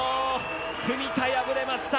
文田、敗れました。